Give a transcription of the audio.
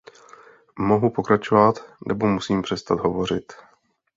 Mohu pokračovat nebo musím přestat hovořit?